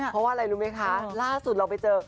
เพราะว่าอะไรรู้ไหมคะล่าสุดเราไปเจอ